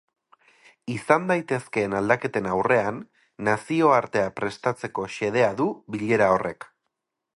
Izan daitezkeen aldaketen aurrean nazioartea prestatzeko xedea du bilera horrek.